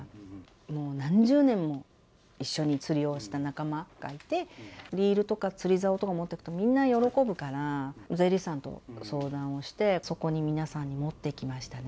もう何十年も一緒に釣りをした仲間がいて、リールとか釣り竿とか持っていくと、みんな喜ぶから、税理士さんと相談をして、そこの皆さんに持っていきましたね。